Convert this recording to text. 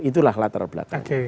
itulah latar belakangnya